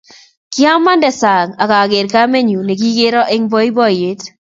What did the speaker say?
Kiamande sang akaker kamenyu nikikero eng boiboyet